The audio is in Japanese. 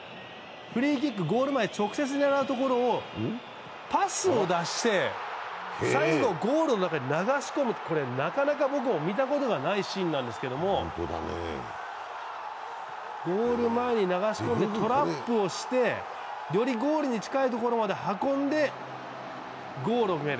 フリーキック、直接ゴールを狙うところ、パスを出して、最後、ゴールの中に流し込むという、なかなか僕も見たことがないシーンなんですけど、ゴール前に流し込んでトラップをしてよりゴールに近いところまで運んでゴールを決める。